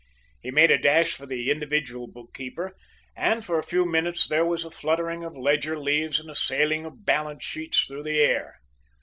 He made a dash for the individual bookkeeper, and, for a few minutes there was a fluttering of ledger leaves and a sailing of balance sheets through the air.